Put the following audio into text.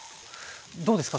どうですか？